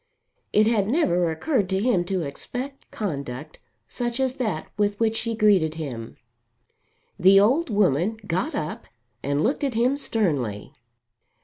It had never occurred to him to expect conduct such as that with which she greeted him. The old woman got up and looked at him sternly.